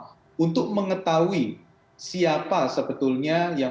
dang dibaca untuk membuat kontrak membuat uang rosaklah maka se delayed kroon